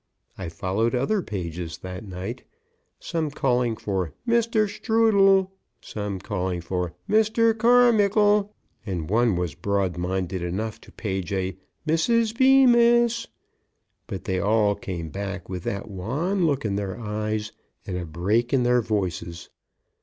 I followed other pages that night some calling for "Mr. Strudel," some for "Mr. Carmickle," and one was broad minded enough to page a "Mrs. Bemis." But they all came back with that wan look in their eyes and a break in their voices.